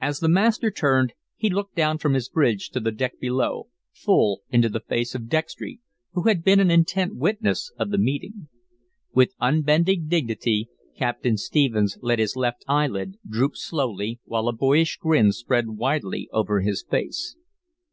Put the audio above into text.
As the master turned, he looked down from his bridge to the deck below, full into the face of Dextry, who had been an intent witness of the meeting. With unbending dignity, Captain Stephens let his left eyelid droop slowly, while a boyish grin spread widely over his face.